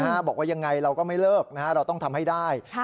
บอกว่ายังไงเราก็ไม่เลิกนะฮะเราต้องทำให้ได้